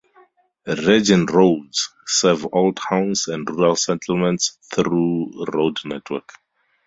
Region roads serve all towns and rural settlements through road network.